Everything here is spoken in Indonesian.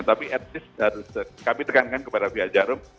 tapi at least kami tekankan kepada biar jarum